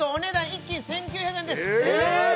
１斤１９００円ですえっ！？